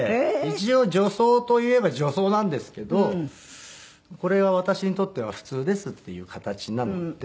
一応女装といえば女装なんですけどこれは私にとっては普通ですっていう形なので。